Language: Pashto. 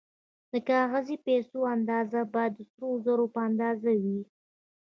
د کاغذي پیسو اندازه باید د سرو زرو په اندازه وي